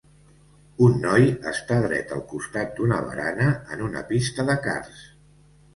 Un noi està dret al costat d'una barana en una pista de karts.